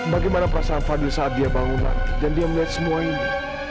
bagaimana perasaan fadil saat dia bangunan dan dia melihat semua ini